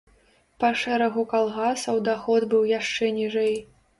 Па шэрагу калгасаў даход быў яшчэ ніжэй.